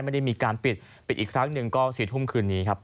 ไม่ได้มีการปิดปิดอีกครั้งหนึ่งก็๔ทุ่มคืนนี้ครับ